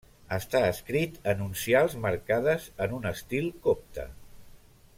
Està escrit en uncials marcades en un estil copte.